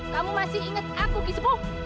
kamu masih ingat aku kecebook